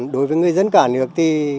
đối với người dân cả nước thì